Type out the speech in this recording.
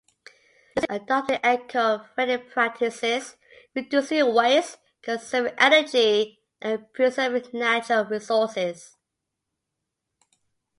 This includes adopting eco-friendly practices, reducing waste, conserving energy, and preserving natural resources.